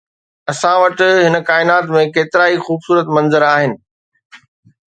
اسان وٽ هن ڪائنات ۾ ڪيترائي خوبصورت منظر آهن